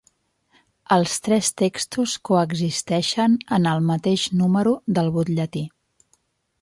Els tres textos coexisteixen en el mateix número del butlletí.